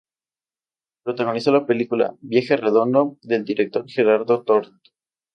Protagonizó la película "Viaje Redondo" del director Gerardo Tort.